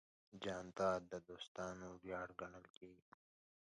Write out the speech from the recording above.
جانداد د دوستانو ویاړ ګڼل کېږي.